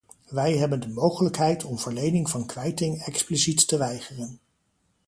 Wij hebben de mogelijkheid om verlening van kwijting expliciet te weigeren.